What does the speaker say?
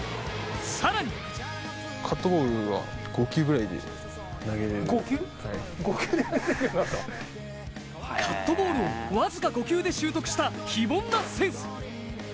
更にカットボールを僅か５球で修得した非凡なセンス。